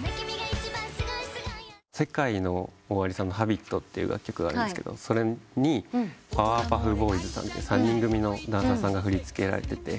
ＳＥＫＡＩＮＯＯＷＡＲＩさんの『Ｈａｂｉｔ』って楽曲があるんですがそれにパワーパフボーイズさんって３人組のダンサーさんが振り付けやられてて。